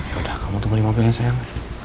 ya udah kamu tunggu di mobil ya sayang